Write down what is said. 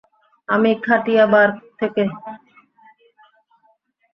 আমি কাঠিয়াবাড় থেকে।